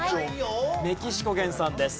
メキシコ原産です。